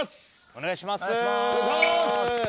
お願いします。